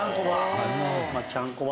ちゃんこ場！